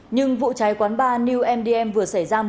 nhưng vụ cháy quán bar new mdm vừa xảy ra